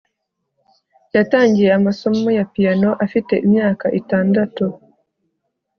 Yatangiye amasomo ya piyano afite imyaka itandatu